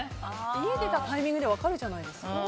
家を出たタイミングで分かるじゃないですか。